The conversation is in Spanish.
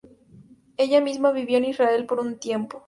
Ella misma vivió en Israel por un tiempo.